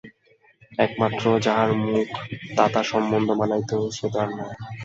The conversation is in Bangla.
একমাত্র যাহার মুখে তাতা সম্বোধন মানাইত সে তো আর নাই।